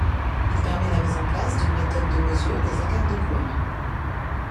Il permet la mise en place d'une méthode de mesure des écarts de couleurs.